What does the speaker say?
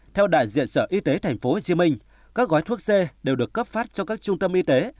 theo đại diện sở y tế tp hcm các gói thuốc c đều được cấp phát cho các trung tâm y tế